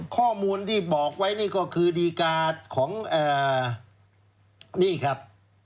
ข้อมูลที่บอกไว้นี่ก็คือดีการ์ของนี่ครับ